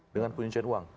dengan penyelenggaraan uang